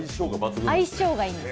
相性がいいです。